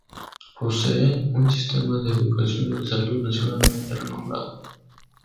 Posee un sistema de educación y de salud nacionalmente renombrado.